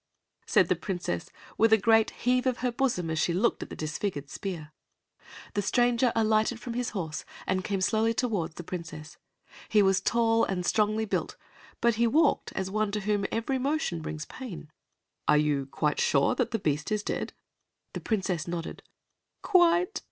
said the Princess, with a great heave of her bosom as she looked at the disfigured spear. The stranger alighted from his horse and came slowly toward the Princess. He was tall and strongly built, but he walked as one to whom every motion brings pain. "Are you quite sure that the beast is dead?" The Princess nodded. "Quite."